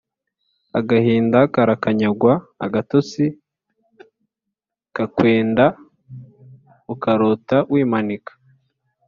agahinda karakanyagwa, agatotsi kakwenda ukarota wimanika